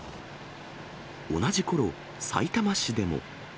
同じころ、さいたま市でも。